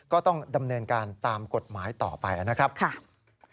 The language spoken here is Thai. ก็ต้องดำเนินการตามกฎหมายต่อไปนะครับ